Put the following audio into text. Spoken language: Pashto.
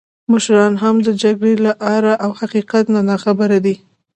مشران هم د جګړې له آره او حقیقت نه ناخبره دي.